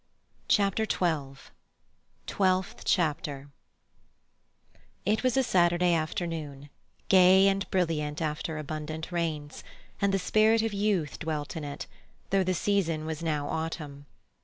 Chapter XII Twelfth Chapter It was a Saturday afternoon, gay and brilliant after abundant rains, and the spirit of youth dwelt in it, though the season was now autumn.